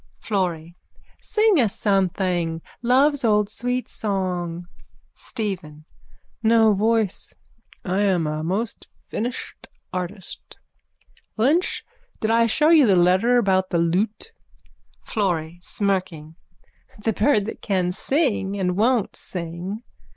_ FLORRY: Sing us something. Love's old sweet song. STEPHEN: No voice. I am a most finished artist. Lynch, did I show you the letter about the lute? FLORRY: (Smirking.) The bird that can sing and won't sing.